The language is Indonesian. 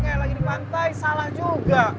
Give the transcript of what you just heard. kayak lagi di pantai salah juga